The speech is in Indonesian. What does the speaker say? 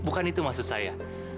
bukan itu maksud saya